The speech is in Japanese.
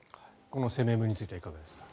この声明文についてはいかがですか。